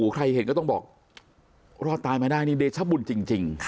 ใครเห็นก็ต้องบอกรอดตายมาได้นี่เดชบุญจริง